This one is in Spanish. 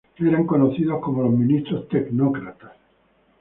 Eran conocidos como los ministros tecnócratas.